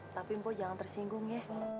tapi mpo jangan tersinggung ya